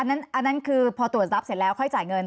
อันนั้นคือพอตรวจรับเสร็จแล้วค่อยจ่ายเงิน